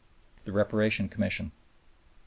The Reparation Commission.